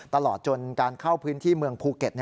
ตลอดจนการเข้าพื้นที่เมืองภูเก็ต